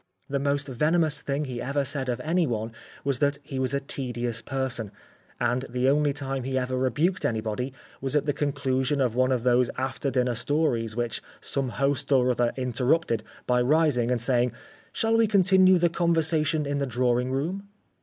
The most venomous thing that he ever said of anyone was that he was a tedious person, and the only time he ever rebuked anybody was at the conclusion of one of those after dinner stories which some host or other interrupted by rising and saying: "Shall we continue the conversation in the drawing room?"